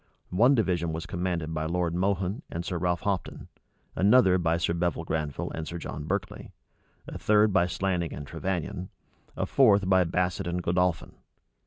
One division was commanded by Lord Mohun and Sir Ralph Hopton, another by Sir Bevil Granville and Sir John Berkeley, a third by Slanning and Trevannion, a fourth by Basset and Godolphin.